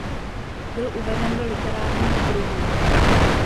Byl uveden do literárních kruhů.